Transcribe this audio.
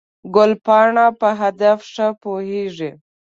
ګلپاڼه په هدف ښه پوهېږي.